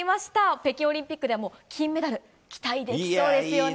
北京オリンピックでも金メダル期待できそうですよね。